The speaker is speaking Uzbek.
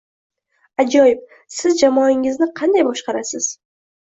Ajoyib. Siz jamoangizni qanday boshqarasiz?